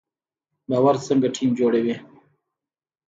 باور څنګه ټیم جوړوي؟